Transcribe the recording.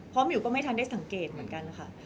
เพราะมิวก็ไม่ทันได้สังเกตเหมือนกันค่ะ